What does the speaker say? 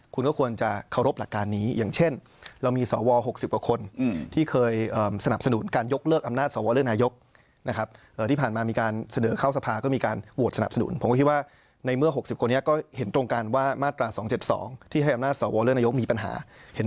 คุณก็ควรจะเคารพหลักการนี้อย่างเช่นเรามีสว๖๐กว่าคน